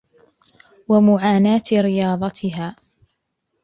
وَمُعَانَاةِ رِيَاضَتِهَا